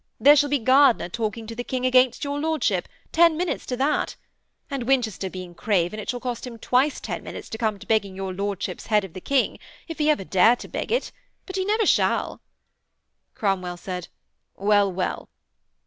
There shall be Gardiner talking to the King against your lordship; ten minutes to that. And, Winchester being craven, it shall cost him twice ten minutes to come to begging your lordship's head of the King, if ever he dare to beg it. But he never shall.' Cromwell said, 'Well, well!'